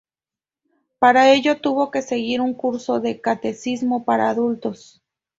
Para ello tuvo que seguir un curso de catecismo para adultos.